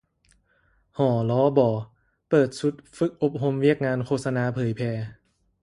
ຫລບ ເປີດຊຸດຝຶກອົບຮົມວຽກງານໂຄສະນາເຜີຍແຜ່